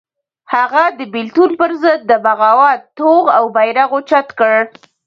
هغه د بېلتون پر ضد د بغاوت توغ او بېرغ اوچت کړ.